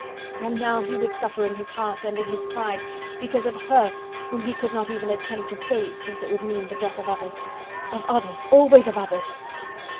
And how he would suffer in his heart and in his pride, because of her whom he could not even attempt to save since it would mean the death of others! of others, always of others!